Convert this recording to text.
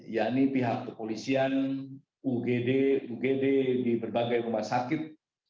yakni pihak kepolisian ugd ugd di berbagai rumah sakit